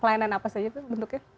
pelayanan apa saja itu bentuknya